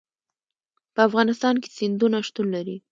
په افغانستان کې سیندونه شتون لري.